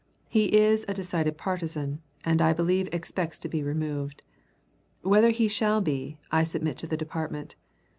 He is a decided partisan, and I believe expects to be removed. Whether he shall be, I submit to the Department.